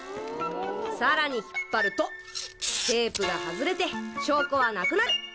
さらに引っ張るとテープが外れて証拠はなくなる。